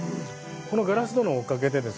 このガラス戸のおかげでですね